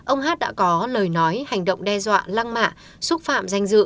ông hát đã có lời nói hành động đe dọa lăng mạ xúc phạm danh dự